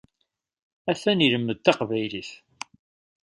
Atan ilemmed taqbaylit.